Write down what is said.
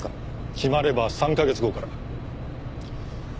決まれば３カ月後から。